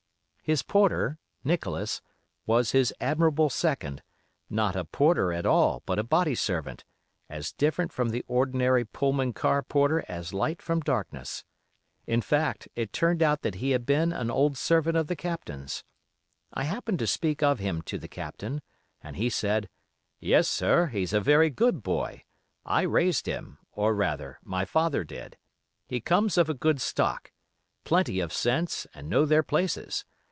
"His porter, Nicholas, was his admirable second; not a porter at all, but a body servant; as different from the ordinary Pullman car porter as light from darkness. In fact, it turned out that he had been an old servant of the Captain's. I happened to speak of him to the Captain, and he said: 'Yes, sir, he's a very good boy; I raised him, or rather, my father did; he comes of a good stock; plenty of sense and know their places.